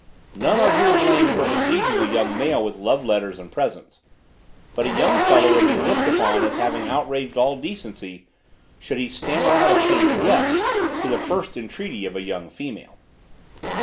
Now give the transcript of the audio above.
None are here blamed for besieging a young male with love letters and presents. But a young fellow would be looked upon as having outraged all decency, should he stammer out a faint yes, to the first entreaty of a young female.